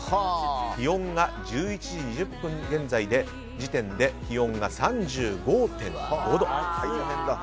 気温が１１時２０分現在時点で３５．５度。